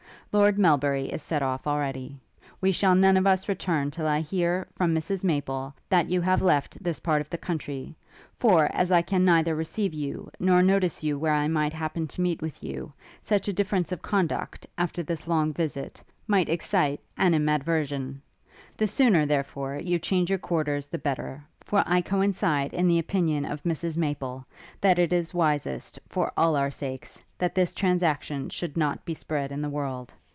Lord Melbury is set off already. We shall none of us return till I hear, from Mrs Maple, that you have left this part of the country; for, as I can neither receive you, nor notice you where I might happen to meet with you, such a difference of conduct, after this long visit, might excite animadversion. The sooner, therefore, you change your quarters, the better; for I coincide in the opinion of Mrs Maple, that it is wisest, for all our sakes, that this transaction should not be spread in the world.